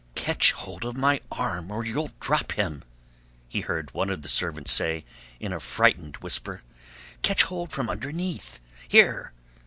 "Catch hold of my arm or you'll drop him!" he heard one of the servants say in a frightened whisper. "Catch hold from underneath. Here!"